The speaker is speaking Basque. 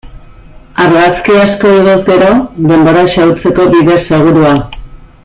Argazki asko igoz gero, denbora xahutzeko bide segurua.